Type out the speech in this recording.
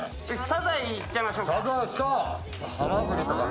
サザエに行っちゃいましょうか。